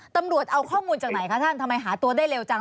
ตำรวจเอาข้อมูลจากไหนคะท่านทำไมหาตัวได้เร็วจัง